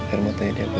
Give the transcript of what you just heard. air matanya dihapus